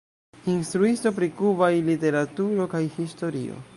Instruisto pri kubaj literaturo kaj historio.